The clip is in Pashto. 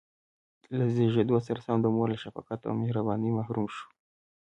له زېږېدو سره سم د مور له شفقت او مهربانۍ محروم شو.